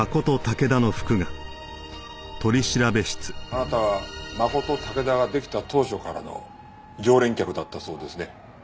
あなたはマコトタケダが出来た当初からの常連客だったそうですね。